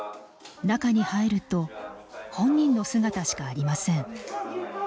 中に入ると本人の姿しかありません。